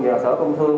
nhờ sở công thương